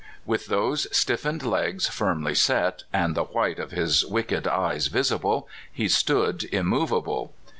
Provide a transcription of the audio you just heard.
With those stiffened legs firmly set, and the white of his wicked eyes visible, he stood immovable.